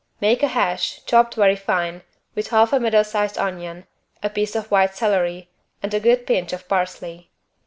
Make a hash, chopped very fine, with half a middle sized onion, a piece of white celery and a good pinch of parsley.